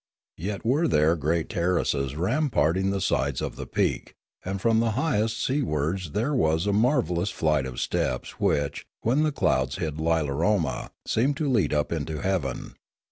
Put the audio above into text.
Yet were there great terraces ramparting the sides of the peak, and from the highest seawards there was a marvellous flight of steps which, when the clouds hid Lilaroma, seemed to lead up into heaven.